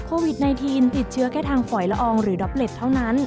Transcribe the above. โควิด๑๙ติดเชื้อแค่ทางฝอยละอองหรือด็อปเล็ตเท่านั้น